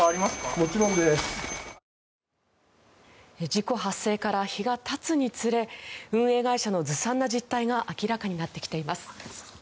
事故発生から日がたつにつれ運営会社のずさんな実態が明らかになってきています。